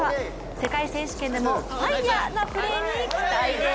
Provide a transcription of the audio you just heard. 世界選手権でもファイアーなプレーに期待です。